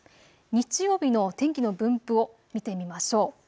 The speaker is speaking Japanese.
日曜日の天気の分布を見てみましょう。